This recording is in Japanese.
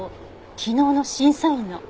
昨日の審査員の。